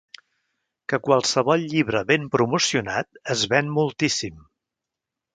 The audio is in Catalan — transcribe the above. Que qualsevol llibre ben promocionat es ven moltíssim.